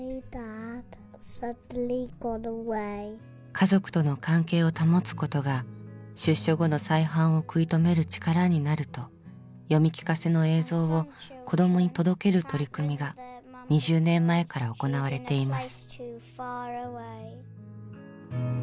家族との関係を保つことが出所後の再犯を食い止める力になると読み聞かせの映像を子どもに届ける取り組みが２０年前から行われています。